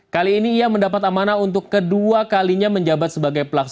kali ini ia mendapat amanah untuk kedua kalinya menjabat sebagai pelaksanaan